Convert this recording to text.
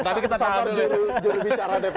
tapi kita lanjutkan